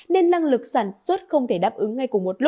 nên năng lực sản xuất không thể đáp ứng